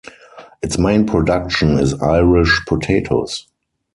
Its main production is Irish potatoes.